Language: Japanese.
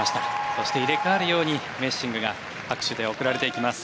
そして入れ替わるようにメッシングが拍手で送られていきます。